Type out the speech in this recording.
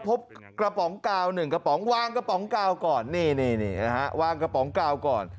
พบกระป๋องกราวหนึ่งกระป๋องว้างกระป๋องกราวก่อนเนี่ยกระป๋องกราวก่อน